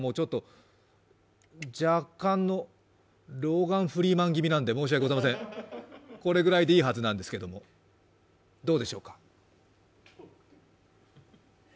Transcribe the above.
若干の老眼フリーマン気味なんでこれぐらいでいいはずなんですが、どうでしょうか。